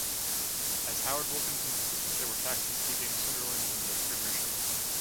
As Howard Wilkinson's assistant, they were tasked with keeping Sunderland in the Premiership.